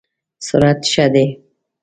سرعت ښه دی؟